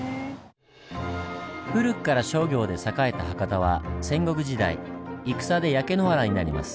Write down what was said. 古くから商業で栄えた博多は戦国時代戦で焼け野原になります。